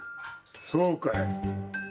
そうかい。